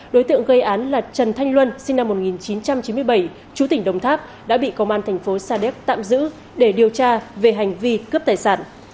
đối tượng gây án là trần thanh luân sinh năm một nghìn chín trăm chín mươi bảy chú tỉnh đồng tháp đã bị công an thành phố sa đéc tạm giữ để điều tra về hành vi cướp tài sản